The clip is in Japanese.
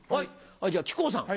じゃあ木久扇さん。